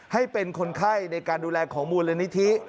ให้เป็นคนไข้ในการดูแลของมูลนิธิ